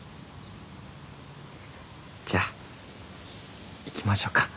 じゃあ行きましょうか。